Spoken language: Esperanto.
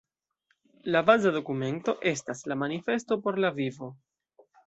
La baza dokumento estas la “Manifesto por la vivo“.